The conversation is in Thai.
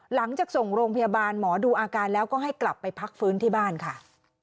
หลังจากส่งโรงพยาบาลหมอดูอาการแล้วก็ให้กลับไปพักฟื้นที่บ้านค่ะ